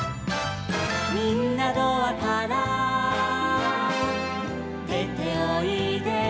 「みんなドアからでておいで」